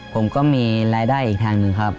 ผมก็มีรายได้อีกทางหนึ่งครับ